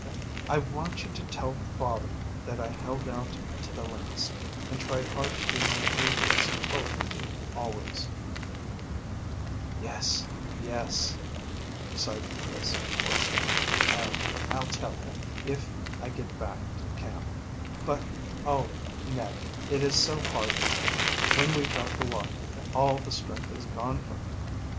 "I want you to tell father that I held out to the last, and tried hard to do my duty as he told me to always." "Yes yes," sighed Chris hoarsely. "I'll I'll tell him, if I get back to camp. But oh, Ned, it is so hard now, when we've got the water. All the strength has gone from me.